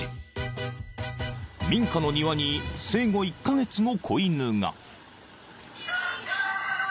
［民家の庭に生後１カ月の子犬が］